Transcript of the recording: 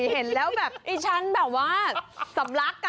เห็นแล้วแบบดิฉันแบบว่าสำลัก